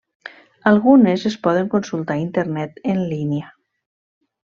Algunes es poden consultar a internet en línia.